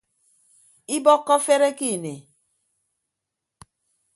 Ibọkkọ afere ke ini.